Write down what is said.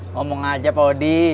ngomong aja pak odi